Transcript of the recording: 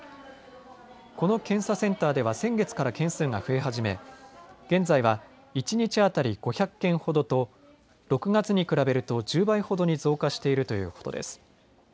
この検査センターでは先月から件数が増え始め、現在は一日当たり５００件ほどと６月に比べると１０倍ほどに増加しているということです。